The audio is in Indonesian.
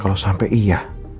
kalau sampai iya